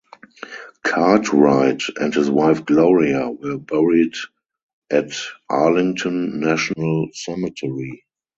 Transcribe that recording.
Cartwright and his wife Gloria were buried at Arlington National Cemetery.